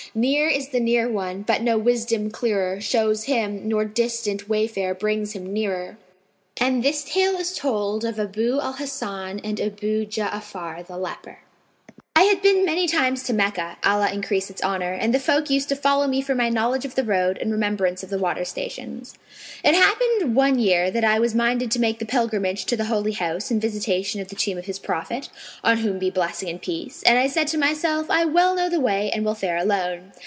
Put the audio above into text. Near is the Near One; but no wisdom clearer * Shows him, nor distant wayfare brings Him nearer." And this tale is told of ABU AL HASAN AND ABU JA'AFAR THE LEPER.[FN#501] "I had been many times to Meccah (Allah increase its honour!) and the folk used to follow me for my knowledge of the road and remembrance of the water stations. It happened one year that I was minded to make the pilgrimage to the Holy House and visitation of the Tomb of His Prophet (on whom be blessing and peace!) and I said in myself, 'I well know the way and will fare alone.'